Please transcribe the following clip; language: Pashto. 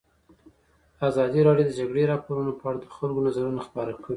ازادي راډیو د د جګړې راپورونه په اړه د خلکو نظرونه خپاره کړي.